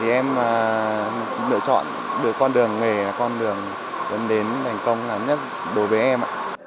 em lựa chọn được con đường nghề là con đường đến thành công là nhất đối với em